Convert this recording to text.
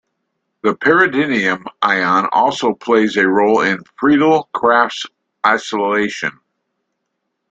The pyridinium ion also plays a role in Friedel-Crafts acylation.